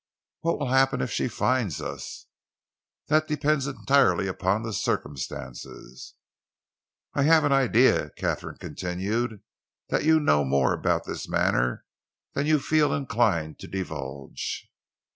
"What will happen if she finds us?" "That depends entirely upon circumstances." "I have an idea," Katharine continued, "that you know more about this matter than you feel inclined to divulge."